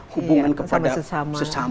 hubungan kepada sesama